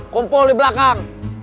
kumpul di belakang